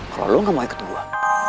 kalo lu gak mau ikut gua